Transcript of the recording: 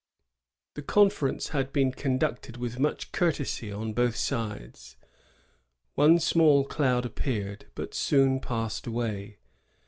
The conference had been conducted with much courtesy on both sides. One small cloud appeared, but soon passed away.